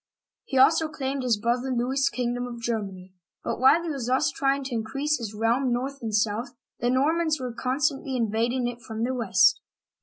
He also claimed his brother Louis's kingdom of Germany ; but wnile he was thus trying to in crease his realm north and south, the Normans were con stantly invading it from the west.